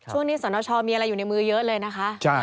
ช่วงนี้สอนอชอมีอะไรอยู่ในมือเยอะเลยนะคะ